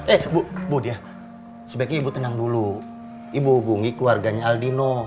eh bu dia sebaiknya ibu tenang dulu ibu hubungi keluarganya aldino